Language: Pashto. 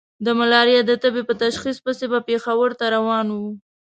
د ملاريا د تبې په تشخيص پسې به پېښور ته روان وو.